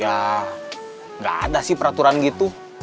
ya nggak ada sih peraturan gitu